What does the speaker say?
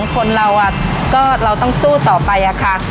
คนเราก็เราต้องสู้ต่อไปอะค่ะ